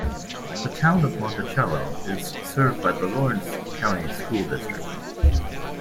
The Town of Monticello is served by the Lawrence County School District.